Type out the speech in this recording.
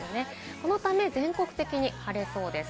このため全国的に晴れそうです。